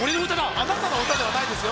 あなたの歌ではないですよ